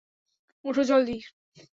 ওঠো, জলদি!